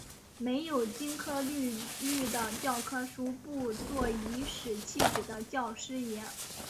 没有金科绿玉的教科书，不做颐使气指的教师爷